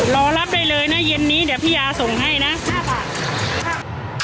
รอรับได้เลยนะเย็นนี้เดี๋ยวพี่ยาส่งให้นะ๕บาท